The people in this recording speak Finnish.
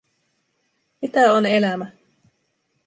Mitä on elämä?